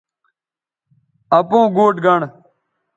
اپوں گوٹھ گنڑ